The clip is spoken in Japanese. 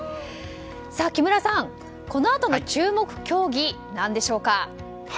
木村さん、このあとの注目競技何でしょうか。